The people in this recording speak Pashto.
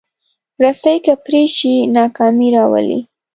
رسۍ که پرې شي، ناکامي راولي.